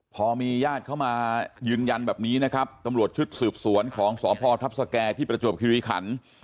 พอมีญาติเข้ามายืนยันแบบนี้นะครับตำรวจชุดสืบสวนของสพทัพสแก่ที่ประจวบคิริขัน